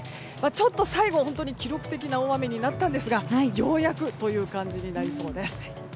ちょっと最後、本当に記録的な大雨になったんですがようやくという感じになりそうです。